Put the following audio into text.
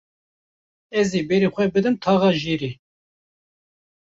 Ez ê berê xwe bidim taxa jêrê.